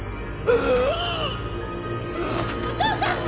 お父さん！